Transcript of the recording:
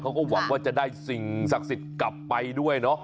เขาก็หวังว่าจะได้สิ่งศักดิ์สิทธิ์กลับไปด้วยเนาะ